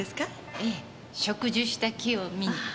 ええ植樹した木を見に。